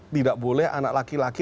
tidak boleh anak laki laki